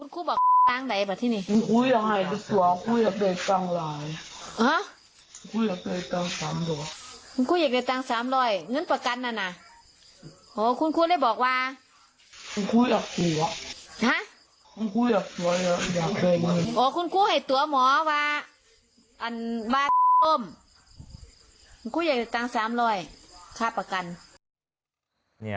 คุณครูอยากได้เงิน๓๐๐ค่ะประกัน